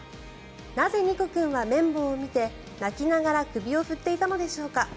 なぜニコ君は綿棒を見て鳴きながら首を振っていたのでしょうか。